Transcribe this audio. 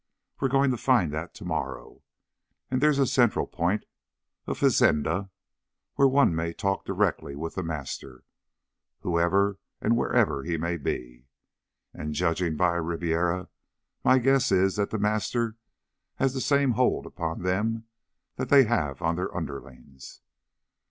We're going to find that to morrow. And there's a central point, a fazenda, where one may talk direct with The Master, whoever and wherever he may be. And judging by Ribiera my guess is that The Master has the same hold upon them that they have on their underlings.